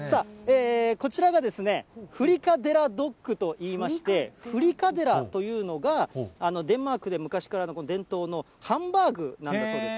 こちらがフリカデラドッグといいまして、フリカデラというのが、デンマークで昔からある伝統のハンバーグなんだそうです。